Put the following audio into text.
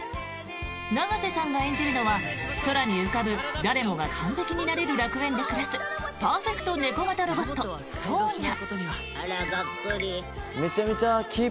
永瀬さんが演じるのは空に浮かぶ誰もが完璧になれる楽園で暮らすパーフェクトネコ型ロボットソーニャ。